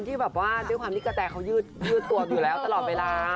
แต่ว่าเด้อความที่แกะแต่เขายืดต่วนอยู่แล้วตลอดเวลา